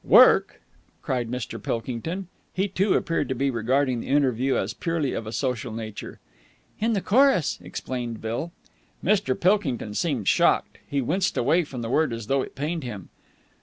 "Work!" cried Mr. Pilkington. He, too, appeared to be regarding the interview as purely of a social nature. "In the chorus," explained Jill. Mr. Pilkington seemed shocked. He winced away from the word as though it pained him.